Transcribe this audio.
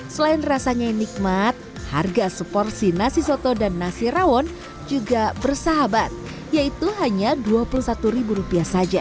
selain rasanya yang nikmat harga seporsi nasi soto dan nasi rawon juga bersahabat yaitu hanya rp dua puluh satu saja